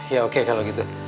ya oke kalau gitu